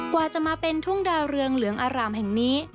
กว่าจะมาเป็นทุ่งดาวเรืองเหลืองอารามแห่งนี้